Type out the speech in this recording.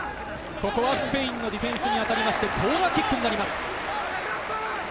ここはスペインのディフェンスに当たってコーナーキックになります。